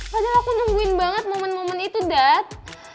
padahal aku nungguin banget momen momen itu dot